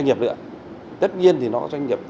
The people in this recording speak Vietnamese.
cơ quan thuế tất nhiên thì nó doanh nghiệp